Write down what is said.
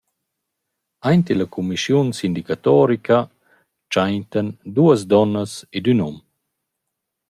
Aint illa cumischiun sindicatorica tschaintan duos duonnas ed ün hom.